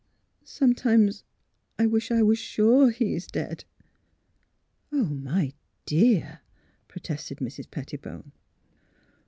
'' Sometimes I wisli I was sure — he is dead." '' Oh, my dear! " protested Mrs. Pettibone.